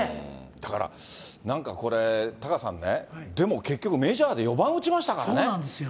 だから、なんかこれ、タカさんね、でも結局、メジャーで４番そうなんですよね。